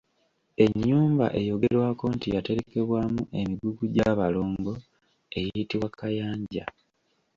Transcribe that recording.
Ennyumba eyogerwako nti y’eterekebwamu emigugu gy’abalongo eyitibwa Kayanja.